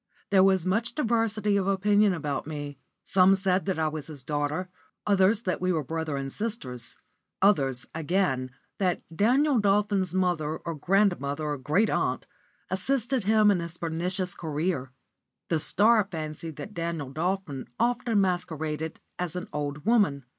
There was much diversity of opinion about me. Some said that I was his daughter; others that we were brother and sister; others, again, that Daniel Dolphin's mother or grandmother or great aunt assisted him in his pernicious career. The Star fancied that Daniel Dolphin often masqueraded as an old woman.